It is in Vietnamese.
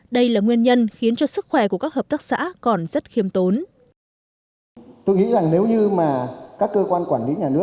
đây là nguyên nhân khiến cho sức khỏe của các hợp tác xã còn rất khiêm tốn